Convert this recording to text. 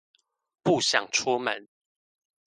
不想出門